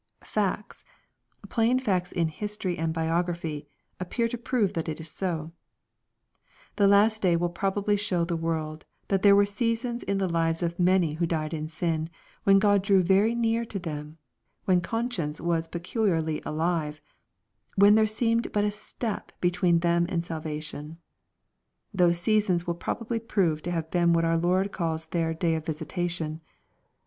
Facts, plain facts in history and biography, appear to prove that it is so, The last day will probably show the world, that there were seasons in the lives of many who died in sin, when God drew very near to them, when conscience was peculiarly alive, when there seemed but a step between them and salvation. Those seasons will probably prove to have been what our Lord calls their " day of visitation."